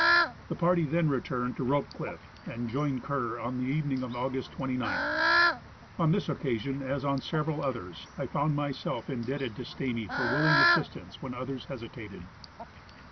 The party then returned to Rope cliff and joined Kerr on the .evening of August 29. On this occasion, as on several others, I found myself indebted to Stamy for willing assistance when others hesitated.